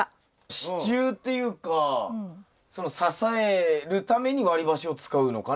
支柱っていうか支えるために割り箸を使うのかなと思いましたけど。